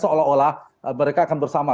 seolah olah mereka akan bersama